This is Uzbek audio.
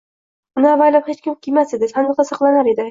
Uni avaylab, hech kim kiymas edi, sandiqda saqlanar edi.